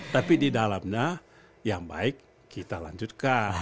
tapi di dalamnya yang baik kita lanjutkan